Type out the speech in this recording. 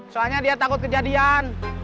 soalnya dia takut kejadian